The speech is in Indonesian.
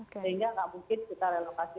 sehingga nggak mungkin kita relokasi